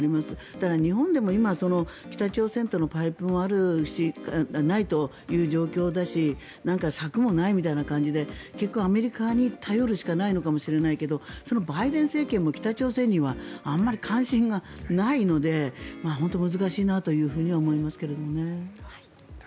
ただ、日本でも今北朝鮮とのパイプもないという状況だし策もないみたいな感じで結構アメリカに頼るしかないかもしれないけどそのバイデン政権も北朝鮮にはあんまり関心がないので本当に難しいなとは思いますけどね。